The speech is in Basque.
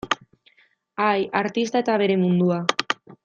Ai, artista eta bere mundua.